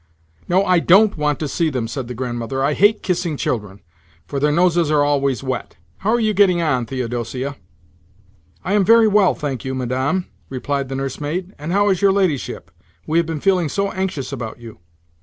"No, I don't want to see them," said the Grandmother. "I hate kissing children, for their noses are always wet. How are you getting on, Theodosia?" "I am very well, thank you, Madame," replied the nursemaid. "And how is your ladyship? We have been feeling so anxious about you!"